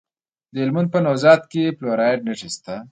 د هلمند په نوزاد کې د فلورایټ نښې شته.